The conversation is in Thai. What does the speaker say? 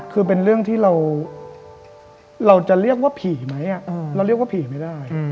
คือเป็นเรื่องที่เราจะเรียกว่าผีไหมเราเรียกว่าผีไม่ได้